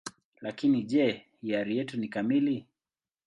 Lakini je, hiari yetu ni kamili?